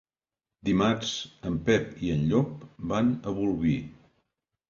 Dimarts en Pep i en Llop van a Bolvir.